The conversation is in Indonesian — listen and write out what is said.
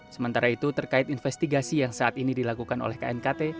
sementara itu terkait investigasi yang saat ini dilakukan oleh knkt